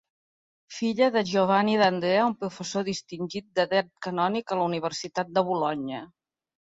Filla de Giovanni d'Andrea, un professor distingit de dret canònic a la Universitat de Bolonya.